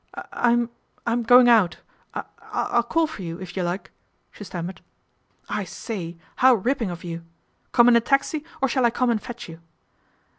" I'm I'm going out. I I'll call for you if you like," she stammered. " I say, how ripping of you. Come in a taxi or shall I come and fetch you